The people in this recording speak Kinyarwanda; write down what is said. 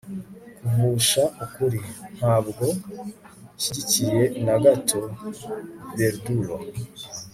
kuvugisha ukuri, ntabwo nshyigikiye na gato verdulo